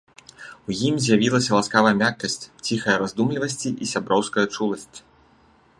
У ім з'явілася ласкавая мяккасць, ціхая раздумлівасці, і сяброўская чуласць.